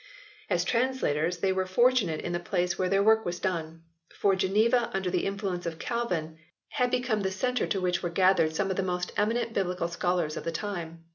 As translators they were fortunate in the place where their work was done. For Geneva under the influence of Calvin had become the centre to 76 HISTORY OF THE ENGLISH BIBLE [OH. which were gathered some of the most eminent Biblical scholars of the time.